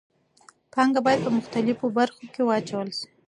پانګه باید په مختلفو برخو کې واچول شي.